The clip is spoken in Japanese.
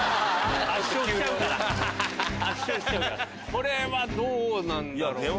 これはどうなんだろうな。